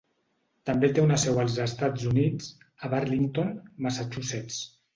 També té una seu als Estats Units, a Burlington (Massachusetts).